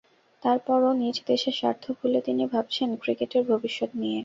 তার পরও নিজ দেশের স্বার্থ ভুলে তিনি ভাবছেন ক্রিকেটের ভবিষ্যত্ নিয়ে।